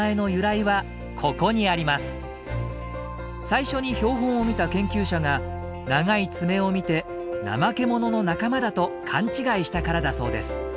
最初に標本を見た研究者が長い爪を見てナマケモノの仲間だと勘違いしたからだそうです。